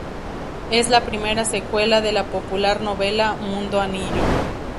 Es la primera secuela de la popular novela "Mundo Anillo".